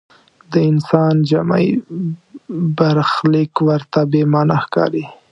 د انسان جمعي برخلیک ورته بې معنا ښکاري.